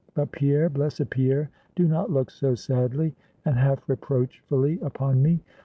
But Pierre, blessed Pierre, do not look so sadly and half reproachfully upon me.